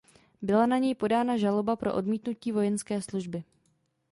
Byla na něj podána žaloba pro odmítnutí vojenské služby.